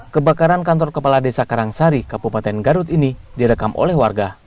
kebakaran kantor kepala desa karangsari kabupaten garut ini direkam oleh warga